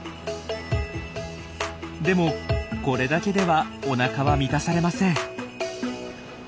でもこれだけではおなかは満たされません。